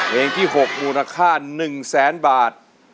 เพลงที่๖มูลค่า๑แสนบาท